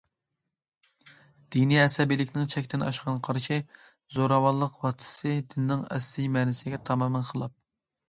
دىنىي ئەسەبىيلىكنىڭ چەكتىن ئاشقان قارىشى، زوراۋانلىق ۋاسىتىسى دىننىڭ ئەسلىي مەنىسىگە تامامەن خىلاپ.